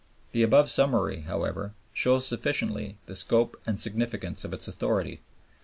The above summary, however, shows sufficiently the scope and significance of its authority.